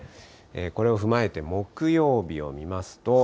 これを踏まえて木曜日を見ますと。